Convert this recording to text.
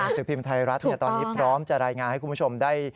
สือพิมพ์ไทยรัฐตอนนี้พร้อมจะรายงานให้คุณผู้ชมได้